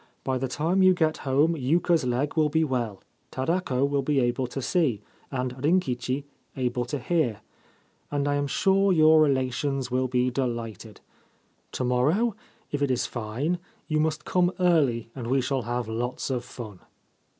By the time you get home Yuka's leg will be well, Tarako will be able to see, and Rinkichi able to hear ; and I am sure your relations will be delighted. To morrow, if it is fine, you must come early, and we shall have lots of fun.'